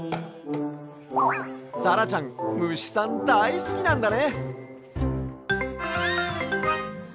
さらちゃんムシさんだいすきなんだね。